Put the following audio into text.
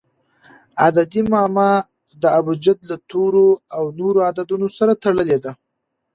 عددي معما د ابجد له تورو او نورو عددونو سره تړلي دي.